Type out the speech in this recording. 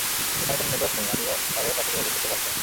এখানে কোন নেটওয়ার্ক নেই, আমিও কারো সাথে যোগাযোগ করতে পারছি না।